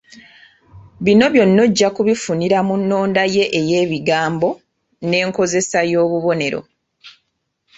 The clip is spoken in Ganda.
Bino byonna ojja kubifunira mu nnonda ye ey’ebigambo, nenkozesa y’obubonero